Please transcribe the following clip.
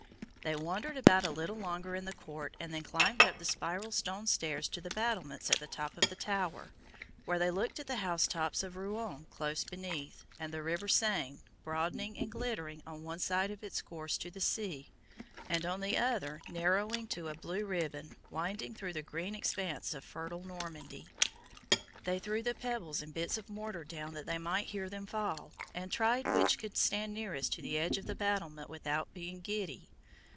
They wandered about a little longer in the court, and then climbed up the spiral stone stairs to the battlements at the top of the tower, where they looked at the house tops of Rouen close beneath, and the river Seine, broadening and glittering on one side in its course to the sea, and on the other narrowing to a blue ribbon, winding through the green expanse of fertile Normandy. They threw the pebbles and bits of mortar down that they might hear them fall, and tried which could stand nearest to the edge of the battlement without being giddy.